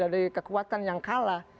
dari kekuatan yang kalah